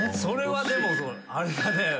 それはでもあれだね。